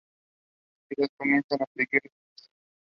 Crunchyroll streamed the series in North American territories.